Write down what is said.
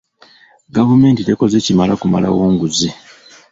Gavumenti tekoze kimala kumalawo nguzi.